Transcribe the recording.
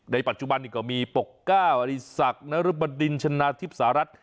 ปัจจุบันนี้ก็มีปกเก้าอีศักดิ์นรบดินชนะทิพย์สหรัฐ